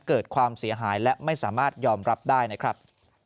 เกิดความเสียหายและไม่สามารถยอมรับได้นะครับ